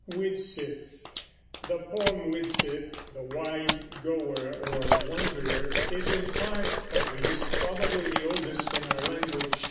WIDSITH. The poem "Widsith," the wide goer or wanderer, is in part, at least, probably the oldest in our language.